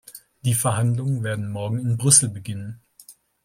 Die Verhandlungen werden morgen in Brüssel beginnen.